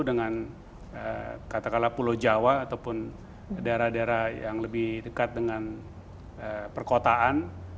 dengan katakanlah pulau jawa ataupun daerah daerah yang lebih dekat dengan perkotaan